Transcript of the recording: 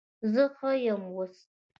زه ښه یم اوس